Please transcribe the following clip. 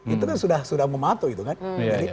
itu kan sudah mematuhi